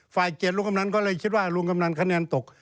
เกียรติลุงกำนันก็เลยคิดว่าลุงกำนันคะแนนตก